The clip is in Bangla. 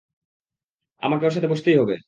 আমাকে ওর সাথে বসতেই হবে!